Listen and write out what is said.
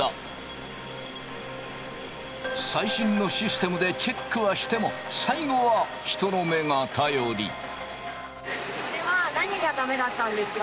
最新のシステムでチェックはしても最後は人の目が頼り。